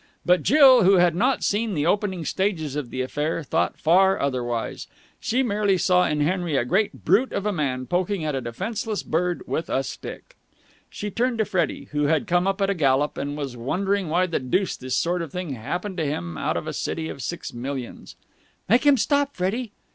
But Jill, who had not seen the opening stages of the affair, thought far otherwise. She merely saw in Henry a great brute of a man poking at a defenceless bird with a stick. She turned to Freddie, who had come up at a gallop and was wondering why the deuce this sort of thing happened to him out of a city of six millions. "Make him stop, Freddie!"